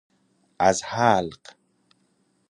از حلق